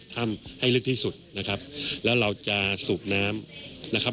ถ้ำให้ลึกที่สุดนะครับแล้วเราจะสูบน้ำนะครับ